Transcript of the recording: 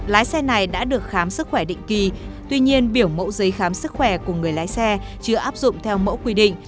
lái xe này đã được khám sức khỏe định kỳ tuy nhiên biểu mẫu giấy khám sức khỏe của người lái xe chưa áp dụng theo mẫu quy định